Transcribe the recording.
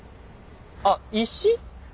あっ石？